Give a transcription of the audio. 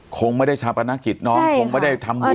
คงไม่ได้ชาปนกิจน้องคงไม่ได้ทำบุญ